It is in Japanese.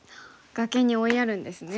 崖に追いやるんですね。